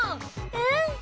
うん！